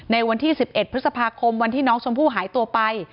ในวันที่๑๑พฤษภาคมวันที่น้องชมพู่หายตัวไป